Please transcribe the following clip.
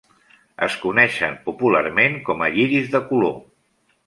Es coneixen popularment com a lliris de color.